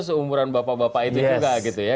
seumuran bapak bapak itu juga gitu ya